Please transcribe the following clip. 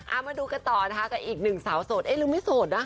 เอามาดูกันต่อนะคะกับอีกหนึ่งสาวโสดเอ๊ะหรือไม่โสดนะ